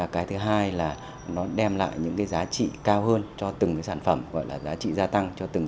cái thứ hai là nó đem lại những cái giá trị cao hơn cho từng cái sản phẩm gọi là giá trị gia tăng